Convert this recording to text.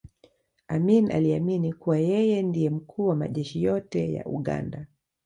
amin aliamini kuwa yeye ndiye mkuu wa majeshi yote ya uganda